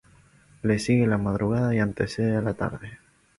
Le sigue a la madrugada y antecede a la tarde.